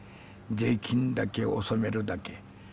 税金だけを納めるだけ。